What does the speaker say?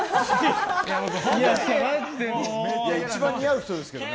一番似合う人ですけどね。